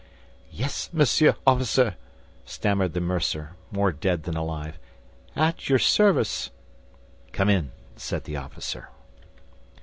"Yes, Monsieur Officer," stammered the mercer, more dead than alive, "at your service." "Come in," said the officer.